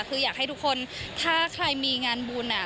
คืออยากให้ทุกคนถ้าใครมีงานบุญอ่ะ